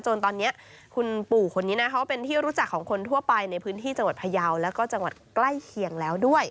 จนตอนนี้คุณปู่คนนี้นะเขาเป็นที่รู้จักของคนทั่วไปในพื้นที่จังหวัดพยาวแล้วก็จังหวัดใกล้เคียงแล้วด้วย